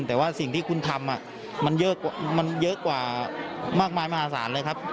แต่ว่าสิ่งที่คุณทำมันเยอะมันเยอะกว่ามากมายมหาศาลเลยครับ